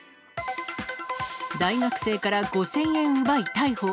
大学生から５０００円奪い逮捕。